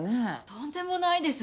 とんでもないです。